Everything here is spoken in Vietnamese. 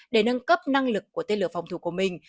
để nâng cấp năng lực của tên lửa phòng thủ của mình